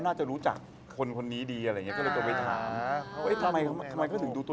แต่ตอนที่นี่เค้ารักนะ